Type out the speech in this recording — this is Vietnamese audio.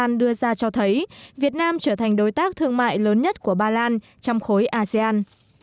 đại sứ quán ba lan đưa ra cho thấy việt nam trở thành đối tác thương mại lớn nhất của ba lan trong khối asean